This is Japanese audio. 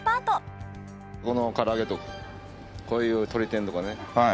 この唐揚げとかこういう鶏天とかね。